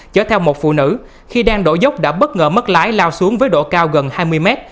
chở theo một phụ nữ khi đang đổ dốc đã bất ngờ mất lái lao xuống với độ cao gần hai mươi mét